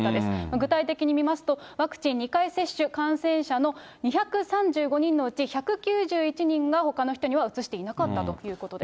具体的に見ますと、ワクチン２回接種感染者の２３５人のうち、１９１人がほかの人にはうつしていなかったということです。